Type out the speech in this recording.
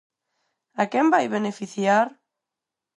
A quen vai beneficiar?